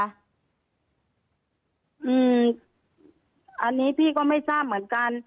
อันนี้พี่ก็ไม่ทราบเหมือนกัน